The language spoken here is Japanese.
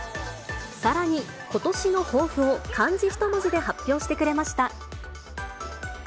さらに、ことしの抱負を漢字一文字で発表してくれました。